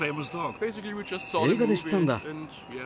映画で知ったんだ。